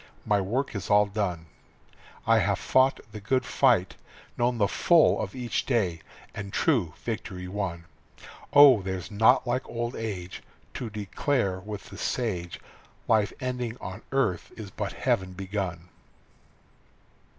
My work is all done. I have fought the good fight, known the full of each day, And true victory won. Oh, there's naught like old age To declare with the sage, Life ending on earth is but heaven begun.